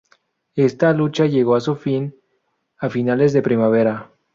Esta lucha llegó a su fin a finales de primavera.